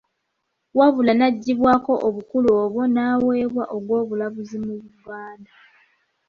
Wabula n'aggyibwako obukulu obw'o n'aweebwa ogw'obulamuzi mu Buganda.